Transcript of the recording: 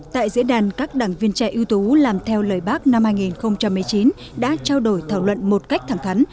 tại diễn đàn các đảng viên trẻ ưu tố ú làm theo lời bác năm hai nghìn một mươi chín đã trao đổi thảo luận một cách thẳng khắn